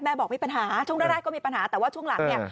บอกมีปัญหาช่วงแรกก็มีปัญหาแต่ว่าช่วงหลังเนี่ย